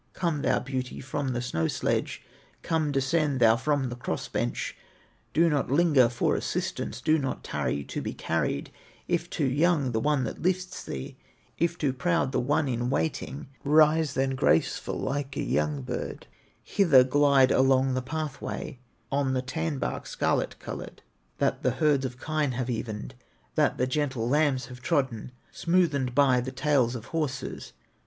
"Come, thou beauty, from the snow sledge, Come, descend thou from the cross bench, Do not linger for assistance, Do not tarry to be carried; If too young the one that lifts thee, If too proud the one in waiting, Rise thou, graceful, like a young bird, Hither glide along the pathway, On the tan bark scarlet colored, That the herds of kine have evened, That the gentle lambs have trodden, Smoothened by the tails of horses.